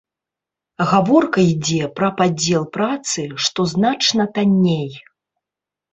Гаворка ідзе пра падзел працы, што значна танней.